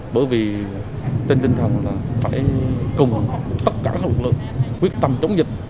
bởi vì tên tinh thần là phải cùng tất cả các lực lượng quyết tâm chống dịch